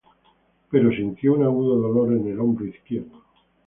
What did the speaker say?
Pero sintió un agudo dolor en el hombro izquierdo.